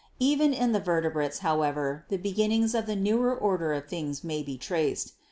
Even in the Vertebrates, however, the beginnings of the newer order of things may be traced.